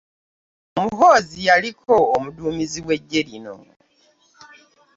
Muhoozi yaliko omuduumizi w'eggye lino